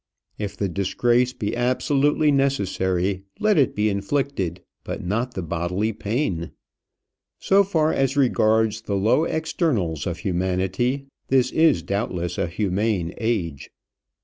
If the disgrace be absolutely necessary, let it be inflicted; but not the bodily pain. So far as regards the low externals of humanity, this is doubtless a humane age.